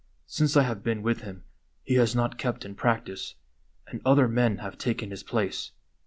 Since I have been with him he has not kept in practice, and other men have taken his place.